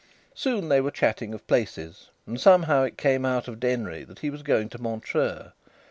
Soon they were chatting of places, and somehow it came out of Denry that he was going to Montreux.